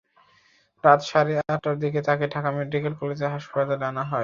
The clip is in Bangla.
রাত সাড়ে আটটার দিকে তাঁকে ঢাকা মেডিকেল কলেজ হাসপাতালে আনা হয়।